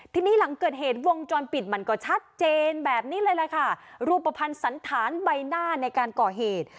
ทีนี้หลังเกิดเหตุวงจรปิดมันก็ชัดเจนแบบนี้เลยแหละค่ะรูปภัณฑ์สันฐานใบหน้าในการก่อเหตุ